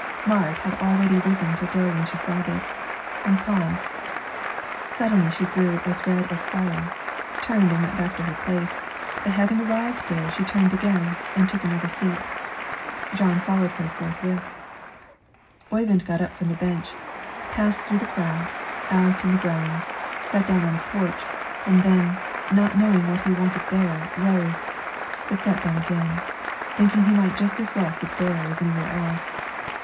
Marit had already risen to go when she saw this, and paused; suddenly she grew as red as fire, turned and went back to her place, but having arrived there she turned again and took another seat. Jon followed her forthwith. Oyvind got up from the bench, passed through the crowd, out in the grounds, sat down on a porch, and then, not knowing what he wanted there rose, but sat down again, thinking he might just as well sit there as anywhere else.